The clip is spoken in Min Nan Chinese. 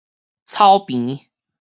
草坪